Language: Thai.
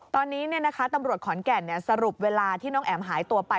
ตอนนี้ตำรวจขอนแก่นสรุปเวลาที่น้องแอ๋มหายตัวไป